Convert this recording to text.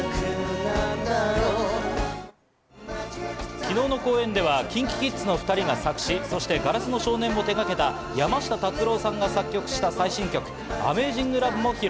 昨日の公演ではＫｉｎＫｉＫｉｄｓの２人が作詞、そして『硝子の少年』も手がけた山下達郎さんが作曲した最新曲『ＡｍａｚｉｎｇＬｏｖｅ』も披露。